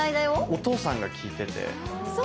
お父さんが聞いてて。